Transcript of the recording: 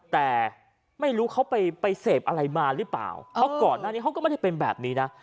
แต่ไม่รู้เขาไปเสพอะไรมาหรือเปล่าเพราะก่อนหน้านี้เขาก็ไม่ได้เป็นแบบนี้นะ